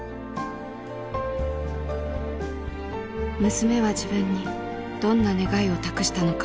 娘は自分にどんな願いを託したのか。